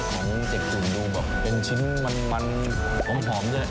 ของเด็กกลุ่มดูแบบเป็นชิ้นมันหอมด้วย